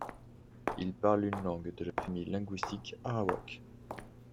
Ils parlent une langue de la famille linguistique arawak.